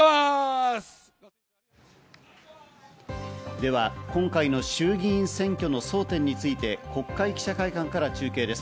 では、今回の衆議院選挙の争点について、国会記者会館から中継です。